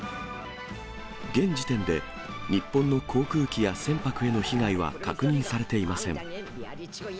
現時点で日本の航空機や船舶への被害は確認されていません。